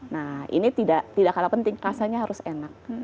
nah ini tidak kalah penting rasanya harus enak